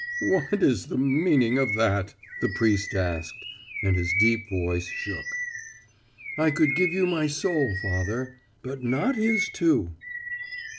"What is the meaning of that?" the priest asked, and his deep voice shook. "I could give you my soul, Father, but not his, too."